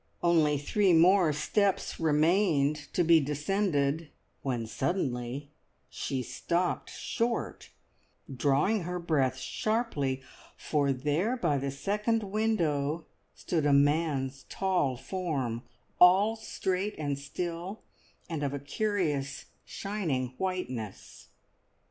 Only three more steps remained to be descended, when suddenly she stopped short, drawing her breath sharply, for there by the second window stood a man's tall form, all straight and still, and of a curious shining whiteness.